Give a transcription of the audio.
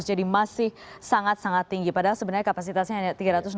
jadi masih sangat sangat tinggi padahal sebenarnya kapasitasnya hanya tiga ratus enam puluh enam